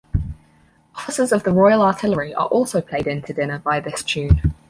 Officers of the Royal Artillery are also played in to dinner by this tune.